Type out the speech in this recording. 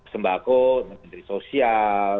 sembako menteri sosial